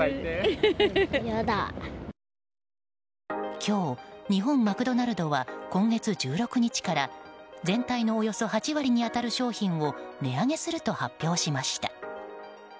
今日、日本マクドナルドは今月１６日から全体のおよそ８割に当たる商品を値上げすると発表しました。